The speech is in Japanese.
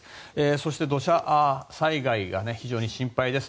そして土砂災害が非常に心配です。